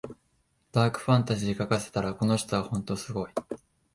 ダークファンタジー書かせたらこの人はほんとすごい